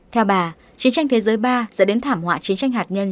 theo bà chiến tranh thế giới ba dẫn đến thảm họa chiến tranh hạt nhân